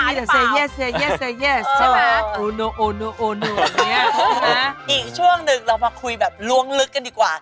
อีกช่วงหนึ่งเรามาคุยแบบล้วงลึกกันดีกว่า